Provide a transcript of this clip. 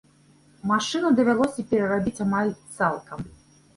Машыну давялося перарабіць амаль цалкам.